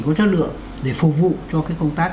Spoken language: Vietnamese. có chất lượng để phục vụ cho công tác